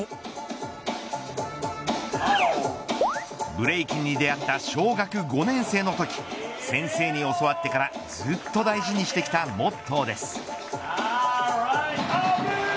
ブレイキンに出会った小学５年生のとき先生に教わってからずっと大事にしてきたモットーです。